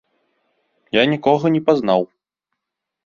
Я нікога не пазнаў.